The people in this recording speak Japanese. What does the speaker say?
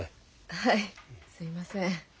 はいすいません。